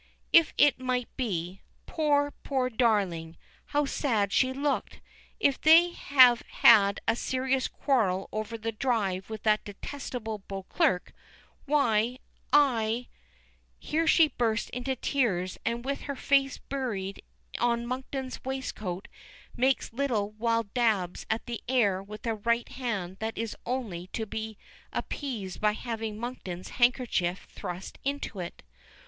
if it might be! Poor, poor darling! how sad she looked. If they have had a serious quarrel over her drive with that detestable Beauclerk why I " Here she bursts into tears, and with her face buried on Monkton's waistcoat, makes little wild dabs at the air with a right hand that is only to be appeased by having Monkton's handkerchief thrust into it.